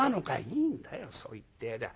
「いいんだよそう言ってやりゃ。